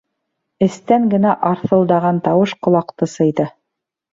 Эстән генә арҫылдаған тауыш ҡолаҡты сыйҙы.